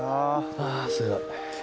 ああすごい。